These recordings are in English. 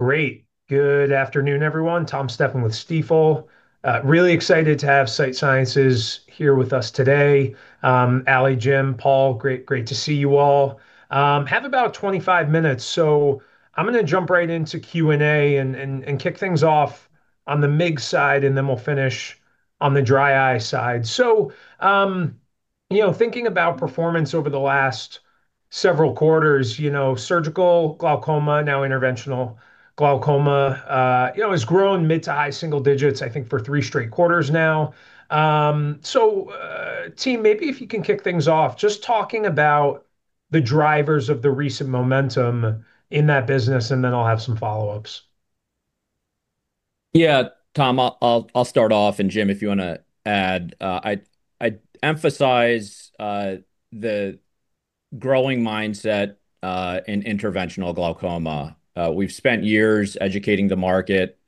Great. Good afternoon, everyone. Thomas Stephan with Stifel. Really excited to have Sight Sciences here with us today. Ali, Jim, Paul, great to see you all. Have about 25 minutes, so I'm going to jump right into Q&A and kick things off on the MIGS side, and then we'll finish on the dry eye side. Thinking about performance over the last several quarters, surgical glaucoma, now interventional glaucoma, has grown mid to high single digits, I think, for three straight quarters now. Team, maybe if you can kick things off, just talking about the drivers of the recent momentum in that business, and then I'll have some follow-ups. Yeah. Tom, I'll start off, and Jim, if you want to add. I emphasize the growing mindset in interventional glaucoma. We've spent years educating the market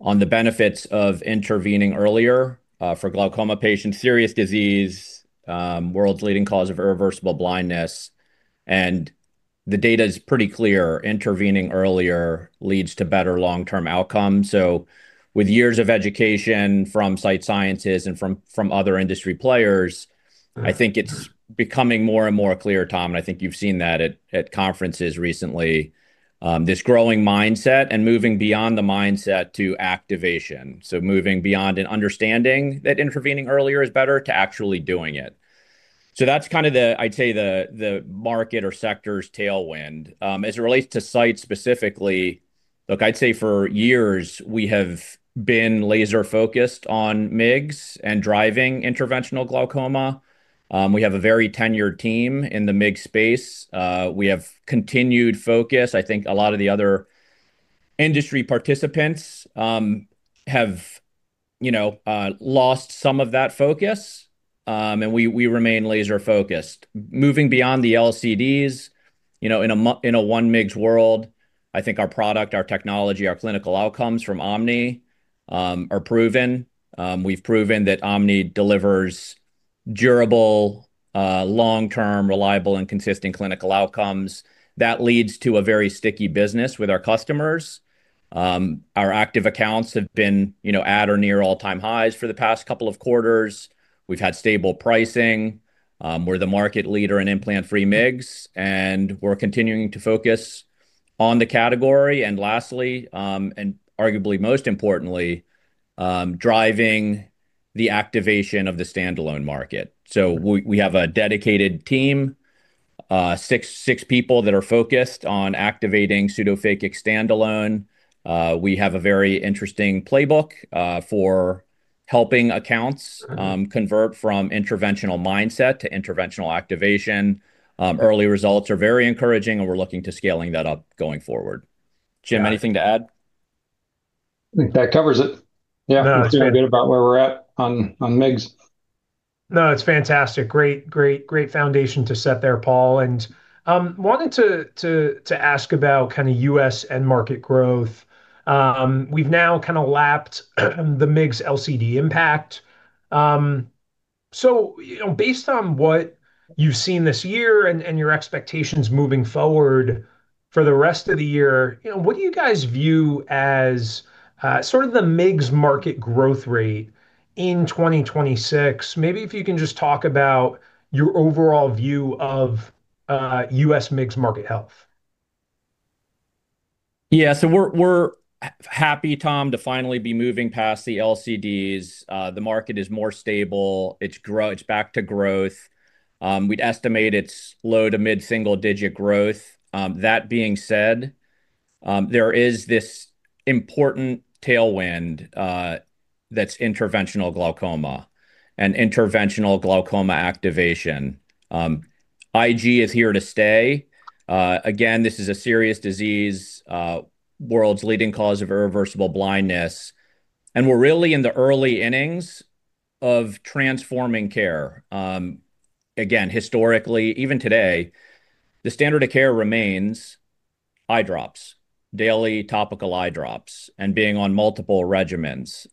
on the benefits of intervening earlier for glaucoma patients. Serious disease, world's leading cause of irreversible blindness, the data is pretty clear. Intervening earlier leads to better long-term outcomes. With years of education from Sight Sciences and from other industry players, I think it's becoming more and more clear, Tom, and I think you've seen that at conferences recently, this growing mindset and moving beyond the mindset to activation. Moving beyond an understanding that intervening earlier is better to actually doing it. That's, I'd say, the market or sector's tailwind. As it relates to Sight specifically, look, I'd say for years, we have been laser-focused on MIGS and driving interventional glaucoma. We have a very tenured team in the MIGS space. We have continued focus. I think a lot of the other industry participants have lost some of that focus, and we remain laser-focused. Moving beyond the LCDs, in a one MIGS world, I think our product, our technology, our clinical outcomes from OMNI are proven. We've proven that OMNI delivers durable, long-term, reliable, and consistent clinical outcomes. That leads to a very sticky business with our customers. Our active accounts have been at or near all-time highs for the past couple of quarters. We've had stable pricing. We're the market leader in implant-free MIGS, and we're continuing to focus on the category. Lastly, and arguably most importantly, driving the activation of the standalone market. We have a dedicated team, six people that are focused on activating pseudophakic standalone. We have a very interesting playbook for helping accounts convert from interventional mindset to interventional activation. Early results are very encouraging, and we're looking to scaling that up going forward. Jim, anything to add? I think that covers it. Yeah. That's a good bit about where we're at on MIGS. No, it's fantastic. Great foundation to set there, Paul. Wanted to ask about kind of U.S. end market growth. We've now kind of lapped the MIGS LCD impact. Based on what you've seen this year and your expectations moving forward for the rest of the year, what do you guys view as sort of the MIGS market growth rate in 2026? Maybe if you can just talk about your overall view of U.S. MIGS market health. We're happy, Tom, to finally be moving past the LCDs. The market is more stable. It's back to growth. We'd estimate it's low to mid-single-digit growth. That being said, there is this important tailwind that's interventional glaucoma and interventional glaucoma activation. IG is here to stay. This is a serious disease, world's leading cause of irreversible blindness, we're really in the early innings of transforming care. Historically, even today, the standard of care remains eye drops, daily topical eye drops, being on multiple regimens.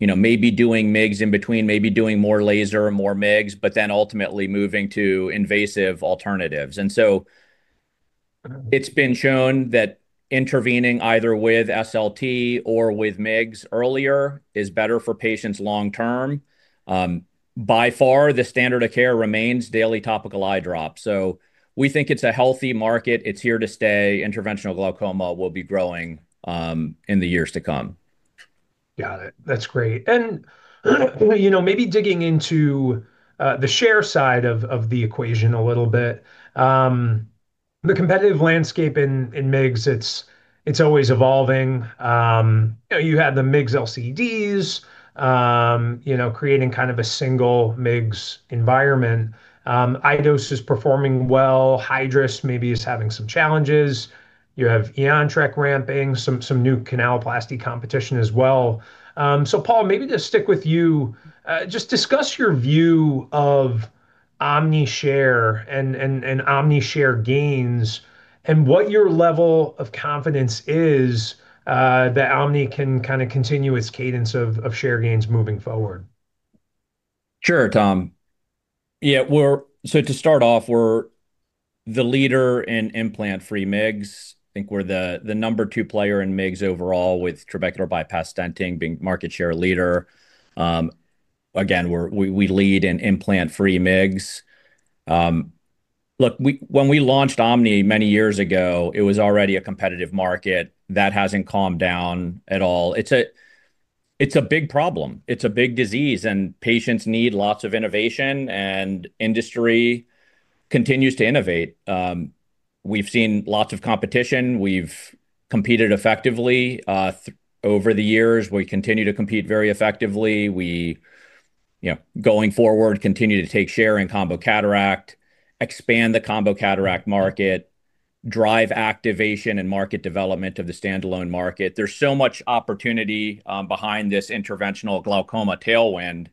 Maybe doing MIGS in between, maybe doing more laser or more MIGS, ultimately moving to invasive alternatives. It's been shown that intervening either with SLT or with MIGS earlier is better for patients long term. By far, the standard of care remains daily topical eye drops. We think it's a healthy market. It's here to stay. Interventional glaucoma will be growing in the years to come. Got it. That's great. Maybe digging into the share side of the equation a little bit. The competitive landscape in MIGS, it's always evolving. You had the MIGS LCDs creating kind of a single MIGS environment. iDose is performing well. Hydrus maybe is having some challenges. You have iTrack ramping, some new canaloplasty competition as well. Paul, maybe to stick with you, just discuss your view of OMNI share and OMNI share gains and what your level of confidence is that OMNI can kind of continue its cadence of share gains moving forward. Sure, Tom. Yeah, to start off, we're the leader in implant-free MIGS. I think we're the number two player in MIGS overall, with trabecular bypass stenting being market share leader. Again, we lead in implant-free MIGS. Look, when we launched OMNI many years ago, it was already a competitive market. That hasn't calmed down at all. It's a big problem. It's a big disease, and patients need lots of innovation, and industry continues to innovate. We've seen lots of competition. We've competed effectively over the years. We continue to compete very effectively. Going forward, continue to take share in combo cataract, expand the combo cataract market, drive activation and market development of the standalone market. There's so much opportunity behind this interventional glaucoma tailwind.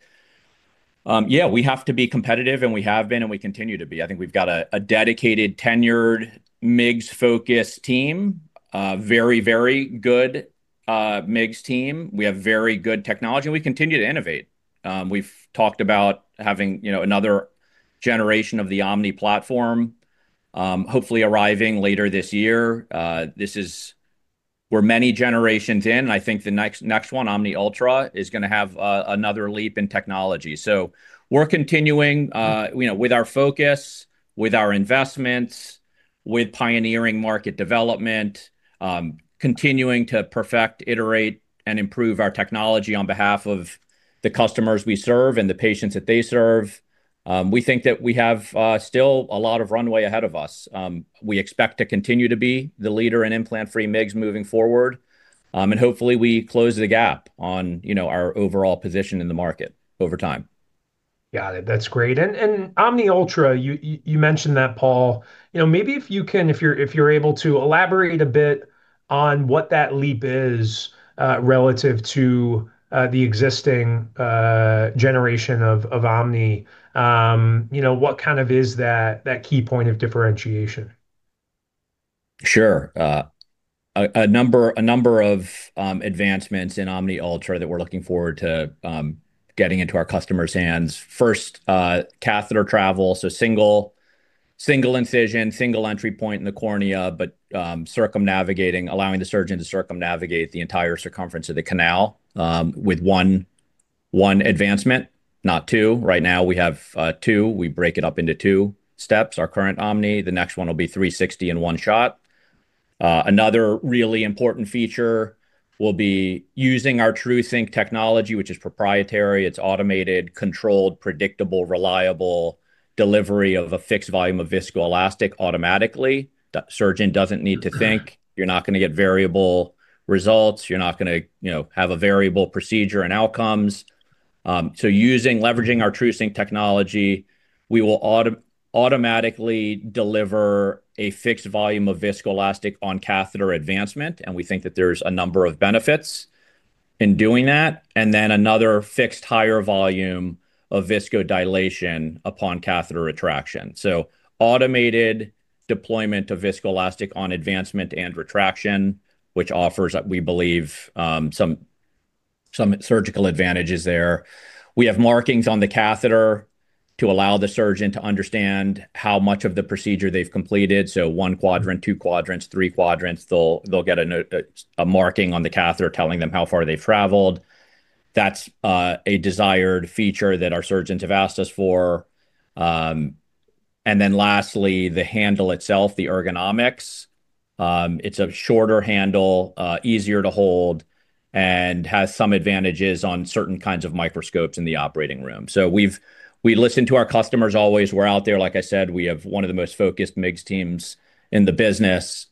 Yeah, we have to be competitive, and we have been, and we continue to be. I think we've got a dedicated, tenured, MIGS-focused team. A very good MIGS team. We have very good technology, and we continue to innovate. We've talked about having another generation of the OMNI platform, hopefully arriving later this year. This is, we're many generations in. I think the next one, OMNI Ultra, is going to have another leap in technology. We're continuing with our focus, with our investments, with pioneering market development, continuing to perfect, iterate, and improve our technology on behalf of the customers we serve and the patients that they serve. We think that we have still a lot of runway ahead of us. We expect to continue to be the leader in implant-free MIGS moving forward. Hopefully, we close the gap on our overall position in the market over time. Yeah, that's great. OMNI Ultra, you mentioned that, Paul. Maybe if you can, if you're able to elaborate a bit on what that leap is relative to the existing generation of OMNI. What kind of is that key point of differentiation? Sure. A number of advancements in OMNI Ultra that we're looking forward to getting into our customers' hands. First, catheter travel. Single incision, single entry point in the cornea, but allowing the surgeon to circumnavigate the entire circumference of the canal with one advancement, not two. Right now, we have two. We break it up into two steps, our current OMNI. The next one will be 360 in one shot. Another really important feature will be using our TruSync Technology, which is proprietary. It's automated, controlled, predictable, reliable delivery of a fixed volume of viscoelastic automatically. That surgeon doesn't need to think. You're not going to get variable results. You're not going to have a variable procedure and outcomes. Leveraging our TruSync Technology, we will automatically deliver a fixed volume of viscoelastic on catheter advancement, and we think that there's a number of benefits in doing that. Another fixed higher volume of viscodilation upon catheter retraction. Automated deployment of viscoelastic on advancement and retraction, which offers, we believe, some surgical advantages there. We have markings on the catheter to allow the surgeon to understand how much of the procedure they've completed. One quadrant, two quadrants, three quadrants. They'll get a marking on the catheter telling them how far they've traveled. That's a desired feature that our surgeons have asked us for. Lastly, the handle itself, the ergonomics. It's a shorter handle, easier to hold, and has some advantages on certain kinds of microscopes in the operating room. We listen to our customers always. We're out there, like I said, we have one of the most focused MIGS teams in the business.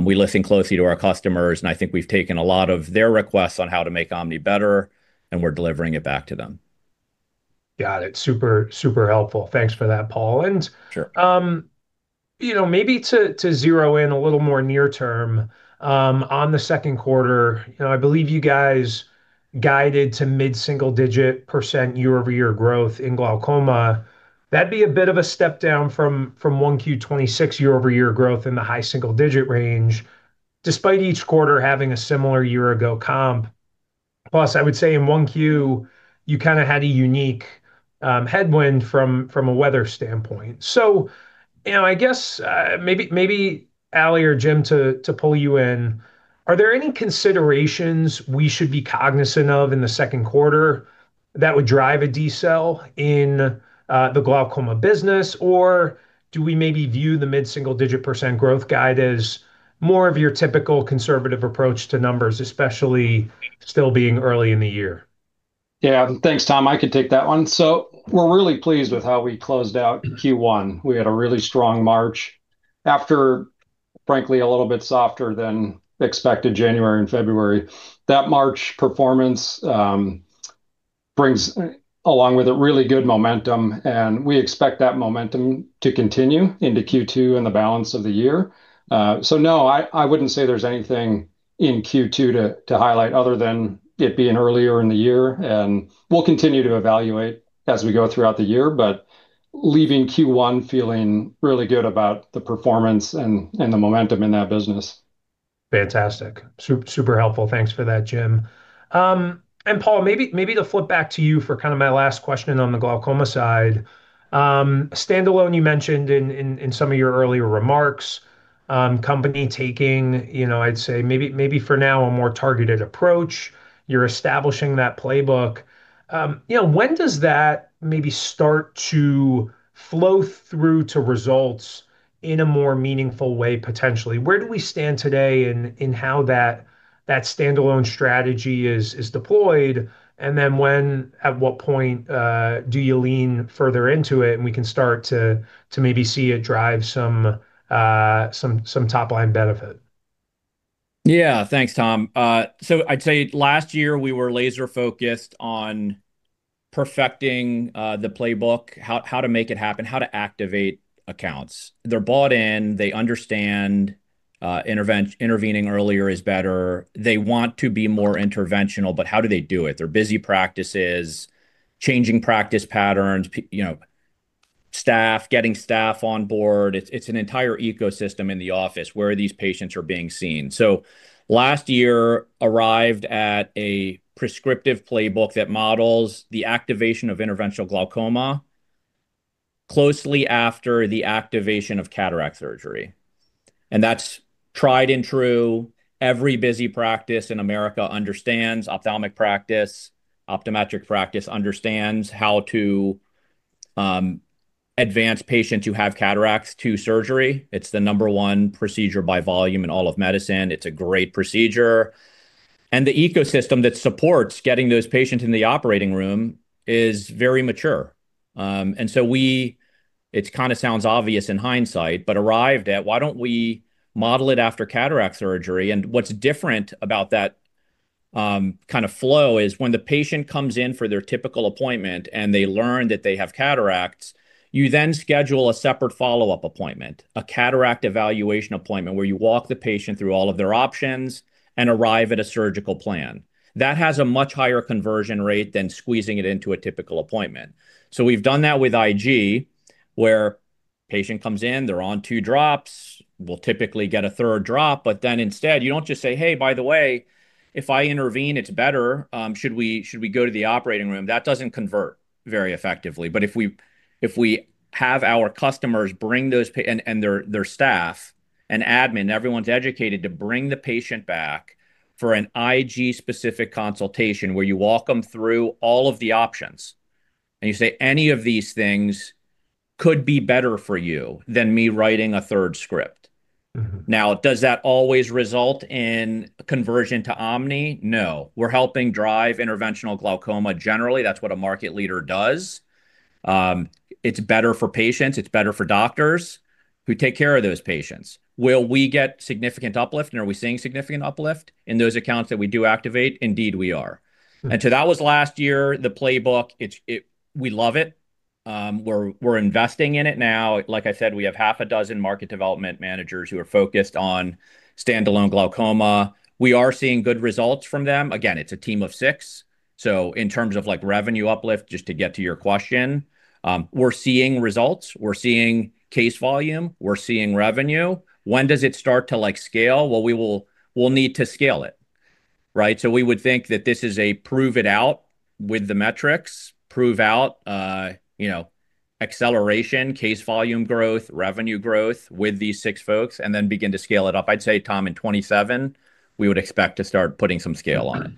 We listen closely to our customers, and I think we've taken a lot of their requests on how to make OMNI better, and we're delivering it back to them. Got it. Super helpful. Thanks for that, Paul. Sure. Maybe to zero in a little more near term on the second quarter. I believe you guys guided to mid-single-digit percent year-over-year growth in glaucoma. That'd be a bit of a step down from 1Q 2026 year-over-year growth in the high single-digit range, despite each quarter having a similar year-ago comp. I would say in 1Q, you kind of had a unique headwind from a weather standpoint. I guess, maybe Ali or Jim, to pull you in, are there any considerations we should be cognizant of in the second quarter that would drive a decel in the glaucoma business? Or do we maybe view the mid-single-digit % growth guide as more of your typical conservative approach to numbers, especially still being early in the year? Yeah. Thanks, Tom. I can take that one. We're really pleased with how we closed out Q1. We had a really strong March after, frankly, a little bit softer than expected January and February. That March performance brings along with it really good momentum, and we expect that momentum to continue into Q2 and the balance of the year. No, I wouldn't say there's anything in Q2 to highlight other than it being earlier in the year. We'll continue to evaluate as we go throughout the year, but leaving Q1 feeling really good about the performance and the momentum in that business. Fantastic. Super helpful. Thanks for that, Jim. Paul, maybe to flip back to you for my last question on the glaucoma side. Standalone, you mentioned in some of your earlier remarks, company taking, I'd say maybe for now, a more targeted approach. You're establishing that playbook. When does that maybe start to flow through to results in a more meaningful way, potentially? Where do we stand today in how that standalone strategy is deployed, and then at what point do you lean further into it and we can start to maybe see it drive some top-line benefit? Yeah. Thanks, Tom. I'd say last year we were laser-focused on perfecting the playbook, how to make it happen, how to activate accounts. They're bought in. They understand intervening earlier is better. They want to be more interventional, but how do they do it? They're busy practices, changing practice patterns, getting staff on board. It's an entire ecosystem in the office where these patients are being seen. Last year arrived at a prescriptive playbook that models the activation of interventional glaucoma closely after the activation of cataract surgery. That's tried and true. Every busy practice in America understands ophthalmic practice. Optometric practice understands how to advance patients who have cataracts to surgery. It's the number one procedure by volume in all of medicine. It's a great procedure. The ecosystem that supports getting those patients in the operating room is very mature. It kind of sounds obvious in hindsight, but arrived at why don't we model it after cataract surgery? What's different about that kind of flow is when the patient comes in for their typical appointment and they learn that they have cataracts, you then schedule a separate follow-up appointment, a cataract evaluation appointment, where you walk the patient through all of their options and arrive at a surgical plan. That has a much higher conversion rate than squeezing it into a typical appointment. We've done that with IG, where patient comes in, they're on two drops, will typically get a third drop, but then instead, you don't just say, "Hey, by the way, if I intervene, it's better. Should we go to the operating room?" That doesn't convert very effectively. If we have our customers bring those, and their staff and admin, everyone's educated to bring the patient back for an IG-specific consultation where you walk them through all of the options and you say, "Any of these things could be better for you than me writing a third script. Does that always result in conversion to OMNI? No. We're helping drive interventional glaucoma generally. That's what a market leader does. It's better for patients. It's better for doctors who take care of those patients. Will we get significant uplift and are we seeing significant uplift in those accounts that we do activate? Indeed we are. That was last year, the playbook, we love it. We're investing in it now. Like I said, we have half a dozen market development managers who are focused on standalone glaucoma. We are seeing good results from them. Again, it's a team of six. In terms of revenue uplift, just to get to your question, we're seeing results. We're seeing case volume. We're seeing revenue. When does it start to scale? Well, we'll need to scale it, right? We would think that this is a prove it out with the metrics, prove out acceleration, case volume growth, revenue growth with these six folks, and then begin to scale it up. I'd say, Thomas Stephan, in 2027, we would expect to start putting some scale on it.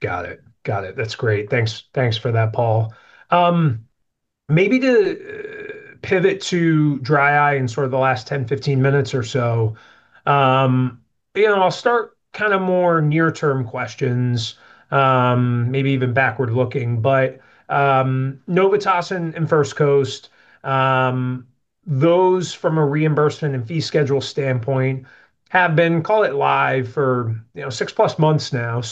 Got it. That's great. Thanks for that, Paul. Maybe to pivot to dry eye in sort of the last 10, 15 minutes or so. I'll start kind of more near-term questions, maybe even backward-looking. Novitas and First Coast, those from a reimbursement and fee schedule standpoint have been, call it live for six plus months now.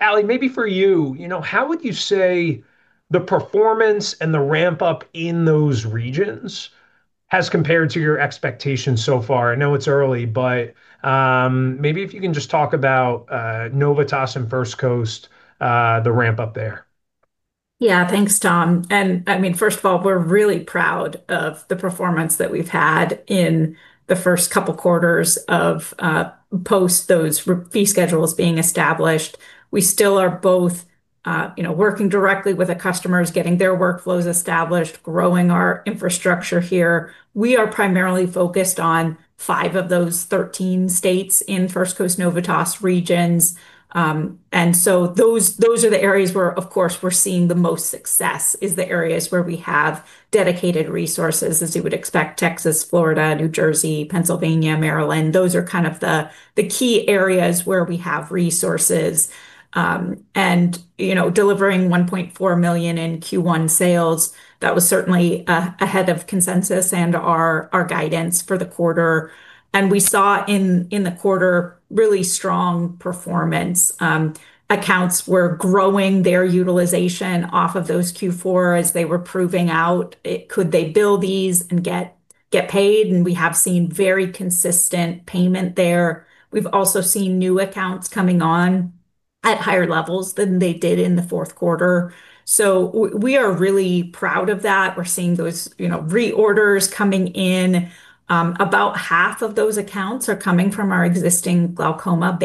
Ali, maybe for you, how would you say the performance and the ramp-up in those regions has compared to your expectations so far? I know it's early, but maybe if you can just talk about Novitas and First Coast, the ramp-up there. Yeah. Thanks, Tom. I mean, first of all, we're really proud of the performance that we've had in the first couple quarters of post those fee schedules being established. We still are both working directly with the customers, getting their workflows established, growing our infrastructure here. We are primarily focused on five of those 13 states in First Coast, Novitas regions. Those are the areas where, of course, we're seeing the most success is the areas where we have dedicated resources, as you would expect, Texas, Florida, New Jersey, Pennsylvania, Maryland. Those are kind of the key areas where we have resources. Delivering $1.4 million in Q1 sales, that was certainly ahead of consensus and our guidance for the quarter. We saw in the quarter really strong performance. Accounts were growing their utilization off of those Q4 as they were proving out could they bill these and get paid? We have seen very consistent payment there. We've also seen new accounts coming on at higher levels than they did in the fourth quarter. We are really proud of that. We're seeing those reorders coming in. About half of those accounts are coming from our existing glaucoma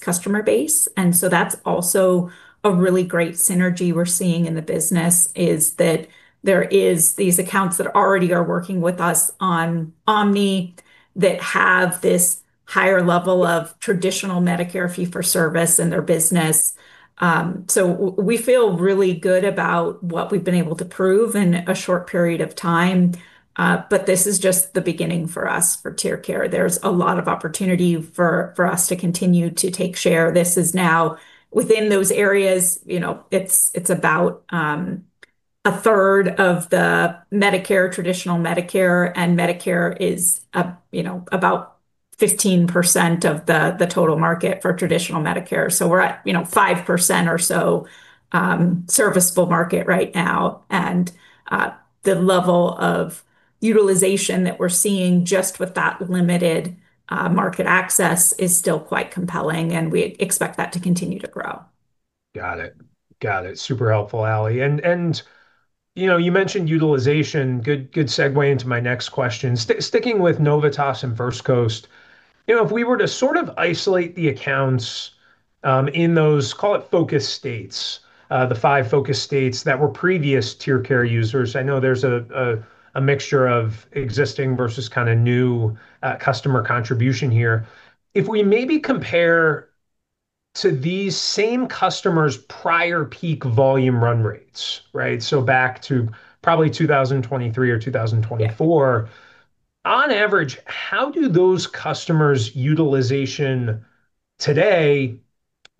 customer base. That's also a really great synergy we're seeing in the business, is that there is these accounts that already are working with us on OMNI that have this higher level of traditional Medicare fee-for-service in their business. We feel really good about what we've been able to prove in a short period of time. This is just the beginning for us, for TearCare. There's a lot of opportunity for us to continue to take share. This is now within those areas, it's about 1/3 of the traditional Medicare. Medicare is about 15% of the total market for traditional Medicare. We're at 5% or so serviceable market right now. The level of utilization that we're seeing just with that limited market access is still quite compelling, and we expect that to continue to grow. Got it. Super helpful, Ali. You mentioned utilization. Good segue into my next question. Sticking with Novitas and First Coast, if we were to sort of isolate the accounts in those, call it focus states, the five focus states that were previous TearCare users. I know there's a mixture of existing versus kind of new customer contribution here. If we maybe compare to these same customers' prior peak volume run rates, so back to probably 2023 or 2024. Yeah. On average, how do those customers' utilization today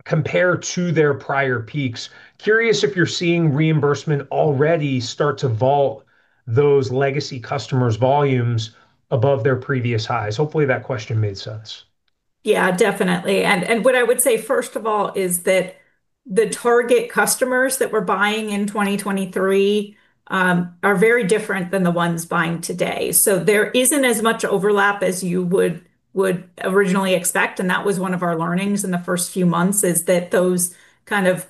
compare to their prior peaks? Curious if you're seeing reimbursement already start to vault those legacy customers' volumes above their previous highs. Hopefully that question made sense. Yeah, definitely. What I would say, first of all, is that the target customers that we're buying in 2023 are very different than the ones buying today. There isn't as much overlap as you would originally expect, and that was one of our learnings in the first few months, is that those kind of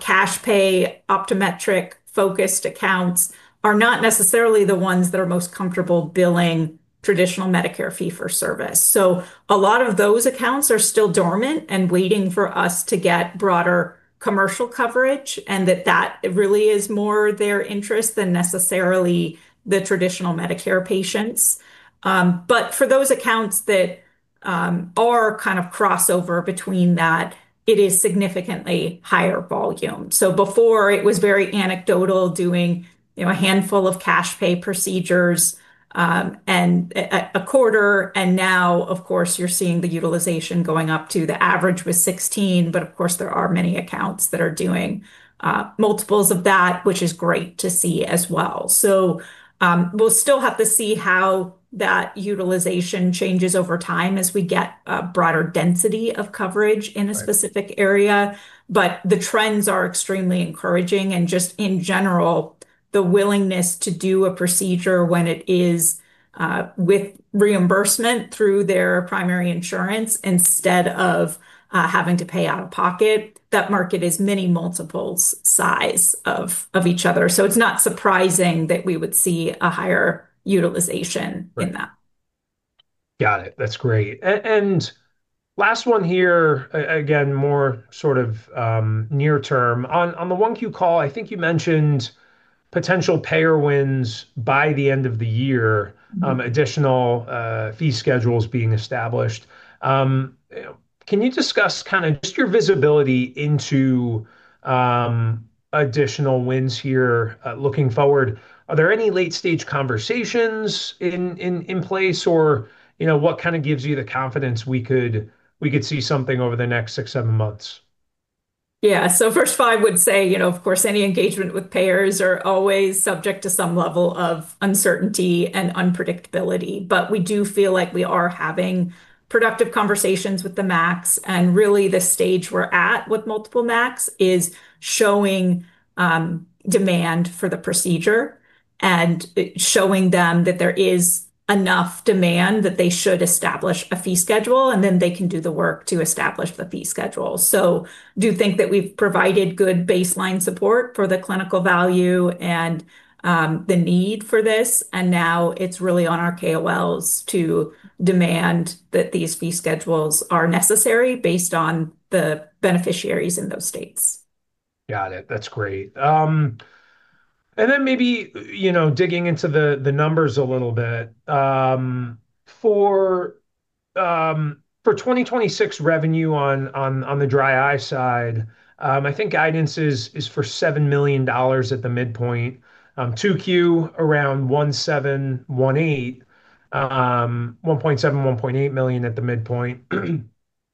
cash pay, optometric-focused accounts are not necessarily the ones that are most comfortable billing traditional Medicare fee-for-service. A lot of those accounts are still dormant and waiting for us to get broader commercial coverage, and that really is more their interest than necessarily the traditional Medicare patients. For those accounts that are kind of crossover between that, it is significantly higher volume. Before it was very anecdotal doing a handful of cash pay procedures and a quarter, and now of course, you're seeing the utilization going up to the average was 16. Of course, there are many accounts that are doing multiples of that, which is great to see as well. We'll still have to see how that utilization changes over time as we get a broader density of coverage in- Right A specific area. The trends are extremely encouraging and just in general, the willingness to do a procedure when it is with reimbursement through their primary insurance instead of having to pay out of pocket. That market is many multiples size of each other. It's not surprising that we would see a higher utilization in that. Got it. That's great. Last one here, again, more sort of near term. On the 1Q call, I think you mentioned potential payer wins by the end of the year. Additional fee schedules being established. Can you discuss kind of just your visibility into additional wins here looking forward? Are there any late-stage conversations in place, or what kind of gives you the confidence we could see something over the next six, seven months? Yeah. First of all, I would say, of course, any engagement with payers are always subject to some level of uncertainty and unpredictability. We do feel like we are having productive conversations with the MACs, and really the stage we're at with multiple MACs is showing demand for the procedure and showing them that there is enough demand that they should establish a fee schedule, and then they can do the work to establish the fee schedule. Do think that we've provided good baseline support for the clinical value and the need for this, and now it's really on our KOLs to demand that these fee schedules are necessary based on the beneficiaries in those states. Got it. That's great. Maybe digging into the numbers a little bit. For 2026 revenue on the dry eye side, I think guidance is for $7 million at the midpoint. 2Q around $1.7 million-$1.8 million at the midpoint,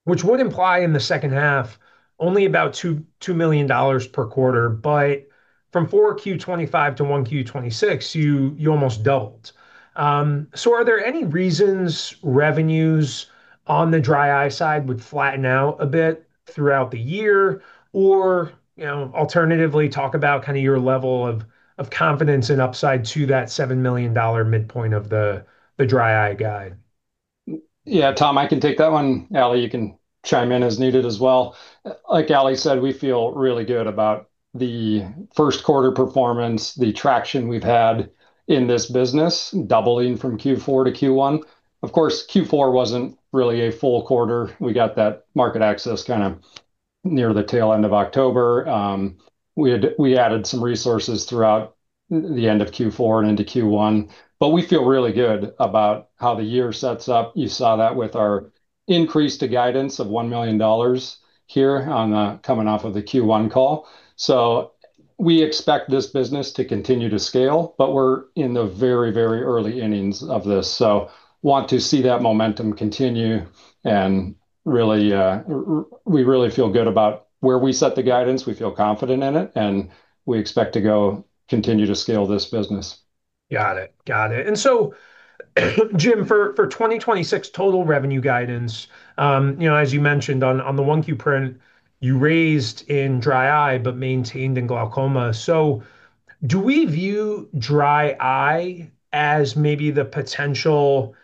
which would imply in the second half only about $2 million per quarter. From 4Q 2025 to 1Q 2026, you almost doubled. Are there any reasons revenues on the dry eye side would flatten out a bit throughout the year? Alternatively, talk about kind of your level of confidence and upside to that $7 million midpoint of the dry eye guide. Yeah, Tom, I can take that one. Ali, you can chime in as needed as well. Like Ali said, we feel really good about the first quarter performance, the traction we've had in this business, doubling from Q4 to Q1. Of course, Q4 wasn't really a full quarter. We got that market access near the tail end of October. We added some resources throughout the end of Q4 and into Q1, but we feel really good about how the year sets up. You saw that with our increase to guidance of $1 million here coming off of the Q1 call. We expect this business to continue to scale, but we're in the very, very early innings of this. Want to see that momentum continue, and we really feel good about where we set the guidance. We feel confident in it, and we expect to go continue to scale this business. Got it. Jim, for 2026 total revenue guidance, as you mentioned on the 1Q print, you raised in dry eye, but maintained in glaucoma. Do we view dry eye as maybe the potential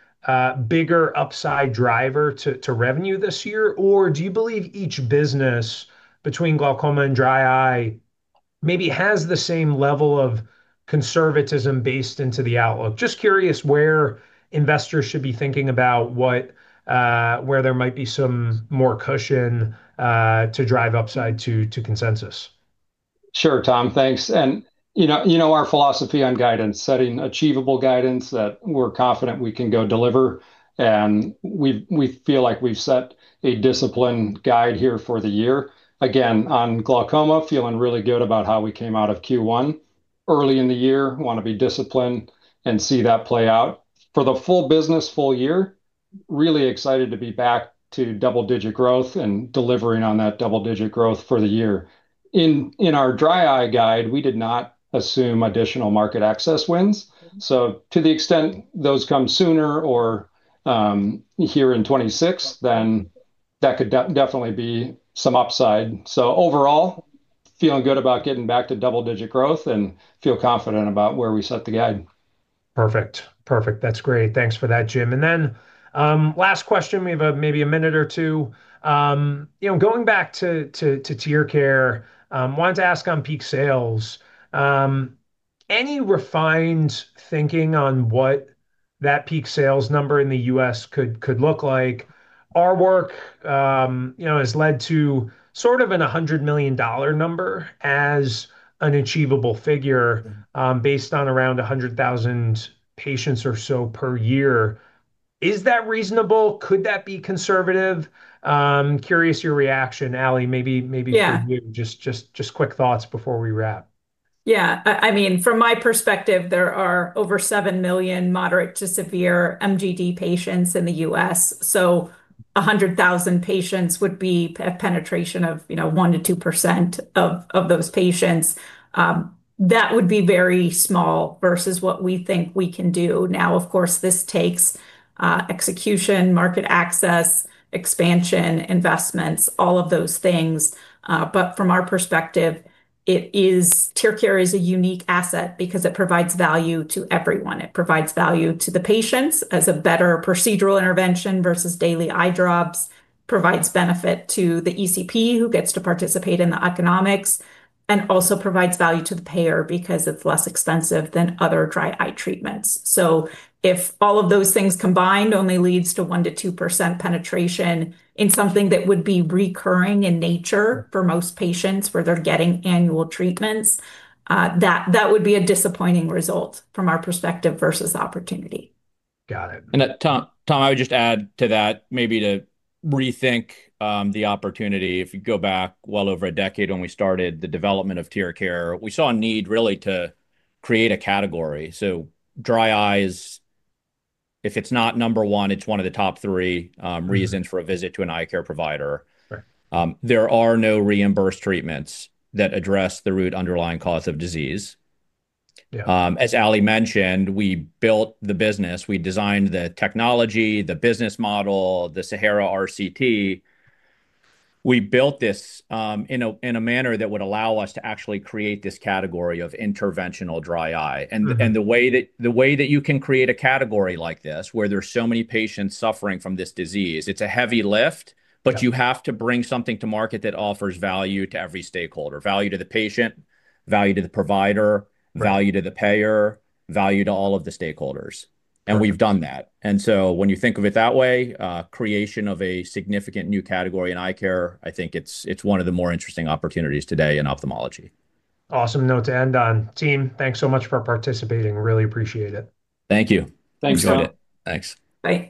bigger upside driver to revenue this year? Or do you believe each business between glaucoma and dry eye maybe has the same level of conservatism based into the outlook? Just curious where investors should be thinking about where there might be some more cushion to drive upside to consensus. Sure, Tom, thanks. You know our philosophy on guidance, setting achievable guidance that we're confident we can go deliver, and we feel like we've set a disciplined guide here for the year. Again, on glaucoma, feeling really good about how we came out of Q1. Early in the year, want to be disciplined and see that play out. For the full business, full year, really excited to be back to double-digit growth and delivering on that double-digit growth for the year. In our dry eye guide, we did not assume additional market access wins. To the extent those come sooner or here in 2026, that could definitely be some upside. Overall, feeling good about getting back to double-digit growth and feel confident about where we set the guide. Perfect. That's great. Thanks for that, Jim. Last question, we have about maybe a minute or two. Going back to TearCare, wanted to ask on peak sales. Any refined thinking on what that peak sales number in the U.S. could look like? Our work has led to sort of a $100 million number as an achievable figure based on around 100,000 patients or so per year. Is that reasonable? Could that be conservative? Curious your reaction. Ali, maybe- Yeah Just quick thoughts before we wrap. Yeah. From my perspective, there are over seven million moderate to severe MGD patients in the U.S., so 100,000 patients would be a penetration of 1%-2% of those patients. That would be very small versus what we think we can do. Now, of course, this takes execution, market access, expansion, investments, all of those things. From our perspective, TearCare is a unique asset because it provides value to everyone. It provides value to the patients as a better procedural intervention versus daily eye drops, provides benefit to the ECP who gets to participate in the economics, and also provides value to the payer because it's less expensive than other dry eye treatments. If all of those things combined only leads to 1%-2% penetration in something that would be recurring in nature for most patients where they're getting annual treatments, that would be a disappointing result from our perspective versus opportunity. Got it. Tom, I would just add to that maybe to rethink the opportunity. If you go back well over a decade when we started the development of TearCare, we saw a need really to create a category. Dry eyes, if it's not number one, it's one of the top three reasons for a visit to an eye care provider. Sure. There are no reimbursed treatments that address the root underlying cause of disease. Yeah. As Ali mentioned, we built the business. We designed the technology, the business model, the SAHARA RCT. We built this in a manner that would allow us to actually create this category of interventional dry eye. The way that you can create a category like this, where there's so many patients suffering from this disease, it's a heavy lift, but you have to bring something to market that offers value to every stakeholder. Value to the patient, value to the provider. Right Value to the payer, value to all of the stakeholders. We've done that. When you think of it that way, creation of a significant new category in eye care, I think it's one of the more interesting opportunities today in ophthalmology. Awesome note to end on. Team, thanks so much for participating. Really appreciate it. Thank you. Thanks, Tom. We got it. Thanks. Thanks.